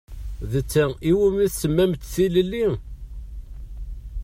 D ta i wumi tsemmamt tilelli?